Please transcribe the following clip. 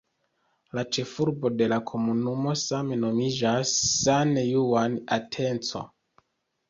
La ĉefurbo de la komunumo same nomiĝas "San Juan Atenco".